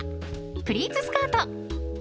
プリーツスカート。